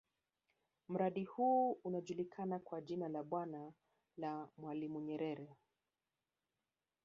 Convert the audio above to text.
Mradi huu unajulikana kwa jina la Bwawa la mwalimu nyerere